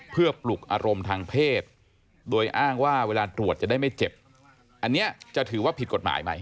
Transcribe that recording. เพื่อปลุกอารมณ์ทางเพศโดยอ้างว่าเวลาตรวจจะได้ไม่เจ็บอันนี้จะถือว่าผิดกฎหมายไหม